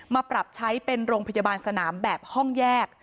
มาปรับใช้เป็นโรงพยาบาลสนามแบบห้องแยก